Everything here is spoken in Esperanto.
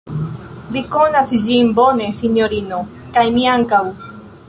Li konas ĝin bone, sinjorino, kaj mi ankaŭ.